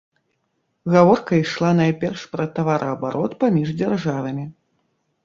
Гаворка ішла найперш пра тавараабарот паміж дзяржавамі.